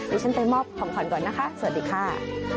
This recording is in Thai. ดิฉันไปมอบของขวัญก่อนนะคะสวัสดีค่ะ